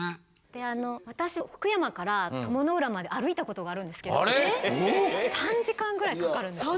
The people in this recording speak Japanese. であの私福山から鞆の浦まで歩いたことがあるんですけど３時間ぐらいかかるんですよ。